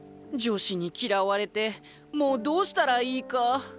女子に嫌われてもうどうしたらいいか。